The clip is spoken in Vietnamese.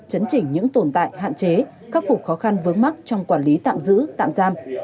chấn chỉnh những tồn tại hạn chế khắc phục khó khăn vướng mắt trong quản lý tạm giữ tạm giam